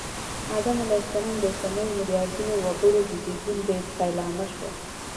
آدم علیه السلام د اوسنیو ملیاردونو وګړو د زېږون پیلامه شوه